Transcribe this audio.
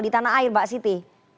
di tanah air mbak siti